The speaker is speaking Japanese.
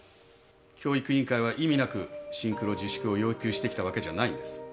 教育委員会は意味無くシンクロ自粛を要求してきたわけじゃないんです。